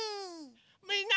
みんな。